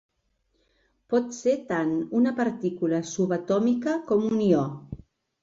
Pot ser tant una partícula subatòmica com un ió.